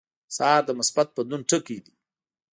سهار د مثبت بدلون ټکي دي.